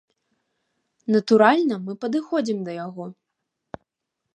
Натуральна, мы падыходзім да яго.